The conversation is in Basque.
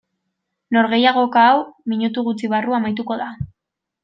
Norgehiagoka hau minutu gutxi barru amaituko da.